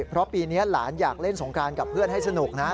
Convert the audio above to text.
เพราะปีนี้หลานอยากเล่นสงการกับเพื่อนให้สนุกนะ